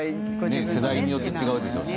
世代によって違うでしょうしね。